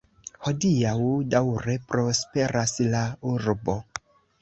Hodiaŭ daŭre prosperas la Urbo.